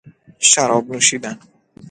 شراب نوشیدن